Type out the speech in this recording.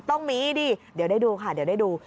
ต้องมีดิเดี๋ยวได้ดูค่ะเดี๋ยวได้ดู